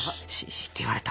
「シ！」って言われた。